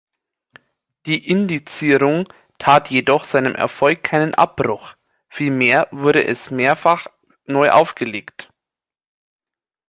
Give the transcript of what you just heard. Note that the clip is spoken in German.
Die Indizierung tat jedoch seinem Erfolg keinen Abbruch, vielmehr wurde es mehrfach neu aufgelegt.